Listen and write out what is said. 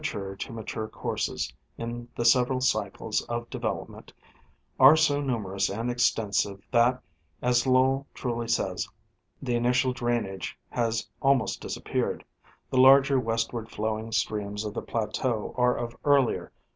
253 ture to mature courses in the several cycles of development are so numerous and extensive that, as Lowl truly says, the initial drainage has almost disappeared. The larger westward flowing streams of the plateau are of earlier.